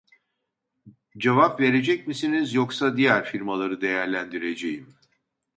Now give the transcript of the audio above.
Cevap verecek misiniz yoksa diğer firmaları değerlendireceğim